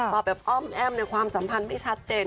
มาแบบอ้อมแอ้มในความสัมพันธ์ไม่ชัดเจน